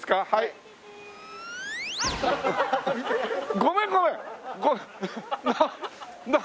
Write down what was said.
ごめんごめん！